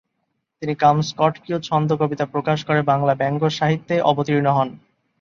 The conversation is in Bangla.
তিনি "কামস্কাটকীয় ছন্দ" কবিতা প্রকাশ করে বাংলা ব্যঙ্গ সাহিত্যে অবতীর্ণ হন।